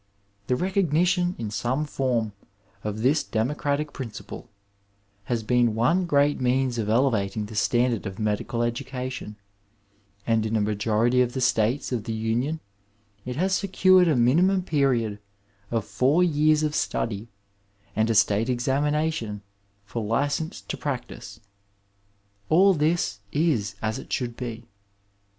The recognition, in some form, of this democratic principle, has been one great means of elevating the standard of medical edu cation, and in a majority of the States of the Union it has secured a minimum period of four years of study, and a State Examination for License to Practice. AH this is as it should be.